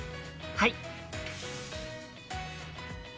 はい。